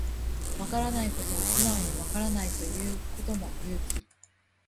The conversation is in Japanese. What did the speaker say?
わからないことを素直にわからないと言うことも勇気